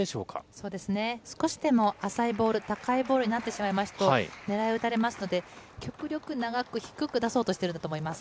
そうですね、少しでも浅いボール、高いボールになってしまいますと、狙い打たれますので、極力長く、低く出そうとしてるんだと思います。